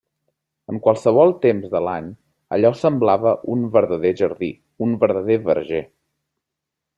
En qualsevol temps de l'any allò semblava un verdader jardí, un verdader verger.